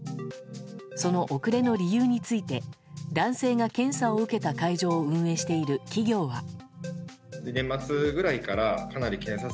その遅れの理由について男性が検査を受けた会場を運営している企業は。